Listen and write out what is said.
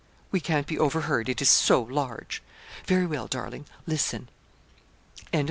'We can't be overheard, it is so large. Very well, darling, listen.' CHAPTER LXII.